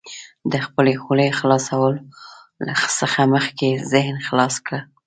د خپلې خولې خلاصولو څخه مخکې ذهن خلاص کړه.